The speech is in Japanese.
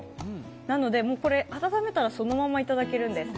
なので温めたらそのままいただけるんです。